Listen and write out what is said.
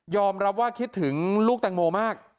รับว่าคิดถึงลูกแตงโมมาก